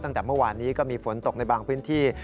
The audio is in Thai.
ตั้งแต่เมื่อวานนี้ก็มีฝนตกในบางพื้นที่